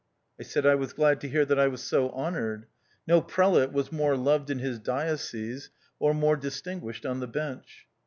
I said I was glad to hear that I was so honoured. No prelate was more loved in his diocese, or more distinguished on the bench.